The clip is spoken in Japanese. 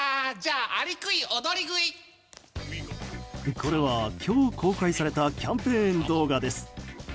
これは今日公開されたキャンペーン動画です。